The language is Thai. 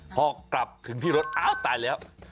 พอกลับถึงที่รถอ้าวตายแล้ว